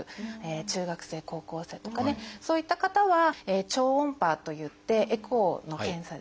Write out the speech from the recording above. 中学生高校生とかねそういった方は超音波といってエコーの検査ですね。